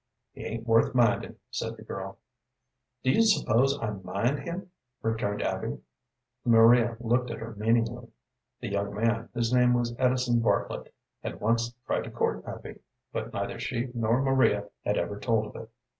"He ain't worth minding," said the girl. "Do you suppose I do mind him?" returned Abby. Maria looked at her meaningly. The young man, whose name was Edison Bartlett, had once tried to court Abby, but neither she nor Maria had ever told of it.